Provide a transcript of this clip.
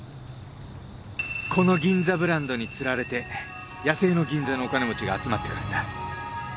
この銀座ブランドに釣られて野生の銀座のお金持ちが集まってくるんだ。